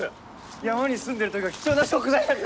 山に住んでる時は貴重な食材なんですよ